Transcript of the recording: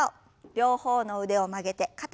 両方の腕を曲げて肩の横に。